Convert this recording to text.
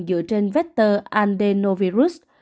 dựa trên vector andenovirus